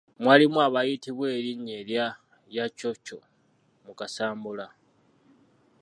Mwalimu abayitibwa erinnya erya yakyokyo mu kasambula.